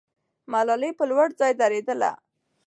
ملالۍ په لوړ ځای درېدله.